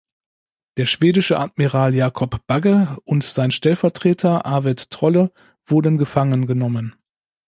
Der schwedische Admiral Jakob Bagge und sein Stellvertreter Arved Trolle wurden gefangen genommen.